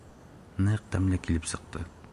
Ныҡ тәмле килеп сыҡты.